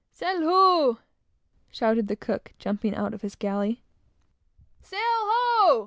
"Sail ho!" shouted the cook, jumping out of his galley; "Sail ho!"